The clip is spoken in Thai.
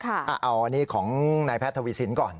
เอาอันนี้ของนายแพทย์ทวีสินก่อน